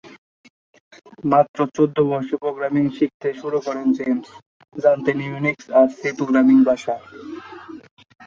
মাত্র চৌদ্দ বছর বয়সে প্রোগ্রামিং শিখতে শুরু করেন জেমস, জানতেন ইউনিক্স আর সি প্রোগ্রামিং ভাষা।